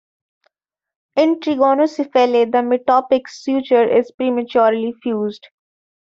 In trigonocephaly the metopic suture is prematurely fused.